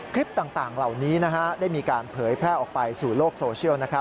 คลิปต่างเหล่านี้ได้มีการเผยแพร่ออกไปสู่โลกโซเชียล